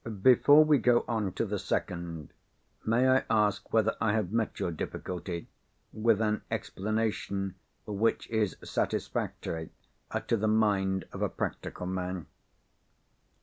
Before we go on to the second, may I ask whether I have met your difficulty, with an explanation which is satisfactory to the mind of a practical man?"